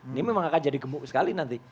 ini memang akan jadi gemuk sekali nanti